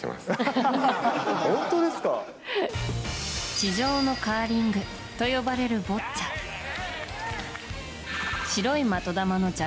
地上のカーリングと呼ばれるボッチャ。